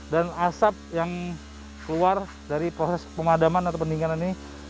dan asap yang keluar dari proses pengadaman atau pendinginan ini